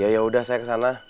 yaudah saya kesana